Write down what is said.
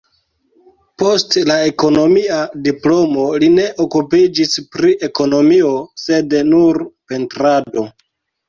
Post la ekonomia diplomo li ne okupiĝis pri ekonomio, sed nur pentrado.